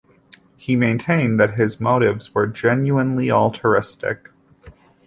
He maintained that his motives were genuinely altruistic.